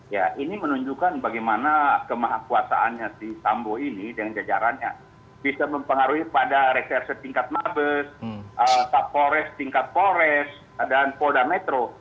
ya ini menunjukkan bagaimana kemahakuasaannya si sambo ini dengan jajarannya bisa mempengaruhi pada reserse tingkat mabes kapolres tingkat polres dan polda metro